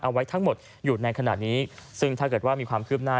เอาไว้ทั้งหมดอยู่ในขณะนี้ซึ่งถ้าเกิดว่ามีความคืบหน้า